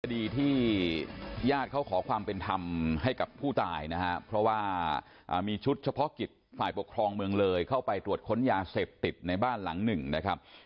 คดีที่ญาติเขาขอความเป็นธรรมให้กับผู้ตายนะฮะเพราะว่ามีชุดเฉพาะกิจฝ่ายปกครองเมืองเลยเข้าไปตรวจค้นยาเสพติดในบ้านหลังหนึ่งนะครับ